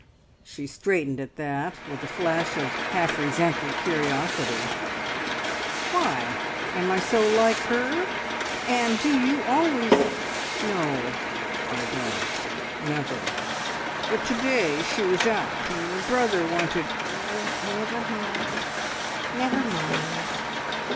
She straightened at that, with a flash of half resentful curiosity. "Why? Am I so like her? And do you always " "No, I don't. Never. But to day she was out and your brother wanted " "Oh, never mind, never mind!"